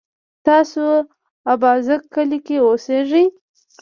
تاسو اببازک کلي کی اوسیږئ؟